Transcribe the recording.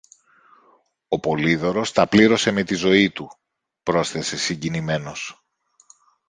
Ο Πολύδωρος τα πλήρωσε με τη ζωή του, πρόσθεσε συγκινημένος.